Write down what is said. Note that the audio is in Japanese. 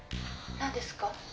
何ですか？